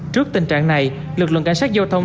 trước tình trạng này lực lượng cảnh sát giao thông